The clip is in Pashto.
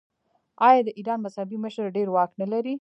آیا د ایران مذهبي مشر ډیر واک نلري؟